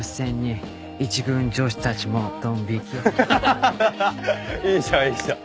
ハハハいいじゃんいいじゃん。